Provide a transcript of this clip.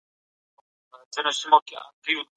که د پیښې ځای ونه لیدل سي څېړنه نیمګړي پاتې کیږي.